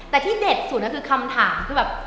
แต่ที่เด็ดสุดก็คือคำถามคือแบบ